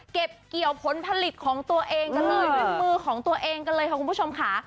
เก็บเกี่ยวผลผลิตของตัวเองกันเลยด้วยมือของตัวเองกันเลยค่ะคุณผู้ชมค่ะ